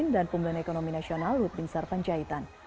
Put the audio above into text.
dan pembelian ekonomi nasional ludwin sarpanjaitan